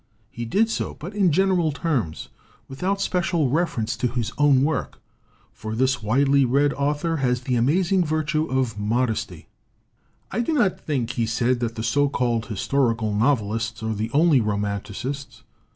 He did so, but in gen eral terms, without special reference to his own work. For this widely read author has the amaz ing virtue of modesty. "I do not think," he said, "that the so called historical novelists are the only romanticists.